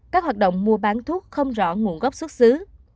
các hoạt động mua bán thuốc không rõ nguồn gốc xuất xứ